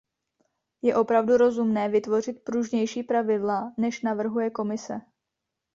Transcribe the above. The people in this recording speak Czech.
Je opravdu rozumné vytvořit pružnější pravidla, než navrhuje Komise.